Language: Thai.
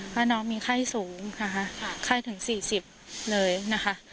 เพราะน้องมีไข้สูงนะคะไข้ถึงสี่สิบเลยนะคะ